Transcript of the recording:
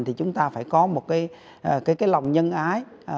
thì chúng ta phải có một cái lòng nhân ái